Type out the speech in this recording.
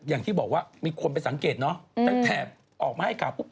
อย่างที่บอกว่ามีควรไปสังเกตเนอะแต่แถบออกมาให้ขาบ